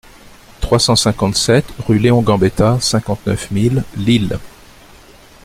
trois cent cinquante-sept rUE LEON GAMBETTA, cinquante-neuf mille Lille